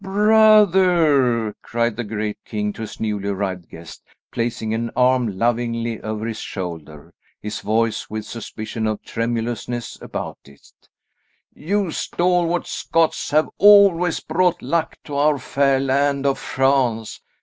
"Brother," cried the great king to his newly arrived guest, placing an arm lovingly over his shoulder, his voice with suspicion of tremulousness about it, "you stalwart Scots have always brought luck to our fair land of France.